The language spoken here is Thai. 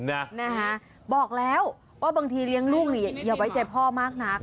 นะฮะบอกแล้วว่าบางทีเลี้ยงลูกเนี่ยอย่าไว้ใจพ่อมากนัก